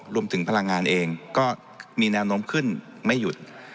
รวมถึงพลังงานเองก็มีแนวนมขึ้นไม่หยุด